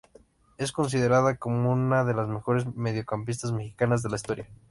Es considerada como una de las mejores mediocampistas mexicanas de la historia.